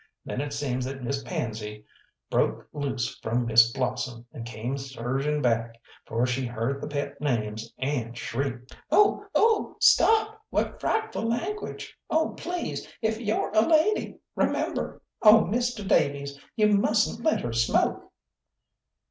Then it seems that Miss Pansy broke loose from Miss Blossom, and came surging back, for she heard the pet names, and shrieked "Oh! oh! Stop! What frightful language! Oh, please, if you're a lady remember! Oh, Misteh Davies, you mustn't let her smoke!"